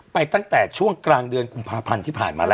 ตั้งแต่ช่วงกลางเดือนกุมภาพันธ์ที่ผ่านมาแล้ว